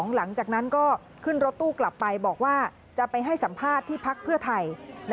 หลังจากนั้นก็ขึ้นรถตู้กลับไปบอกว่าจะไปให้สัมภาษณ์ที่พักเพื่อไทย